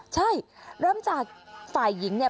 ใช่เริ่มจากฝ่ายหญิงเนี่ย